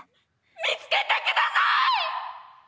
見つけてください！